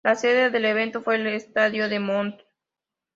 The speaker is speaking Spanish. La sede del evento fue el Estadio de Moncton.